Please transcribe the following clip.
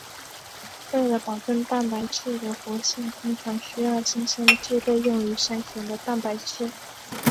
为了保证蛋白质的活性通常需要新鲜制备用于筛选的蛋白质。